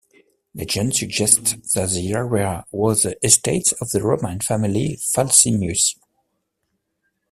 Legend suggests that the area was the estates of the Roman family Falcinius.